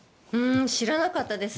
知らなかったです。